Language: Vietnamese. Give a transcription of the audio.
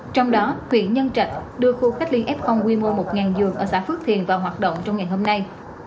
trong đó huyện nhân trạch đưa khu cách ly f quy mô một giường ở xã phước thiền vào hoạt động trong ngày hôm nay